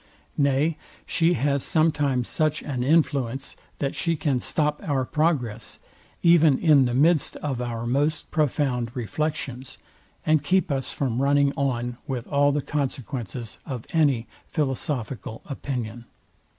Nay she has sometimes such an influence, that she can stop our progress, even in the midst of our most profound reflections, and keep us from running on with all the consequences of any philosophical opinion.